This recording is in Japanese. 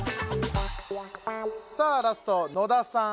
さあラスト野田さん。